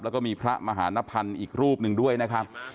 แล้วก็มีพระมหานพันธ์อีกรูปหนึ่งด้วยนะครับ